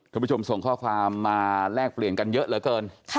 ผู้ชมส่งข้อความมาแลกเปลี่ยนกันเยอะเหลือเกิน